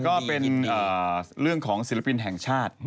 ก็เป็นเรื่องของศิลปินแห่งชาติ